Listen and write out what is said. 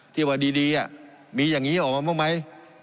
ที่ว่าดีมีอย่างนี้ออกมาบ้างไหม